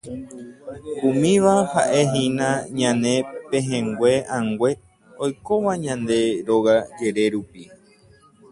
Umíva ha'ehína ñane pehẽngue ãngue oikóva ñande róga jere rupi.